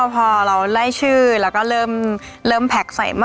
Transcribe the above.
พอเราไล่ชื่อแล้วก็เริ่มแพ็คใส่หม้อ